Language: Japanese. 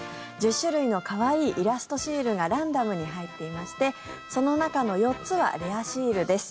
１０種類の可愛いイラストシールがランダムに入っていましてその中の４つはレアシールです。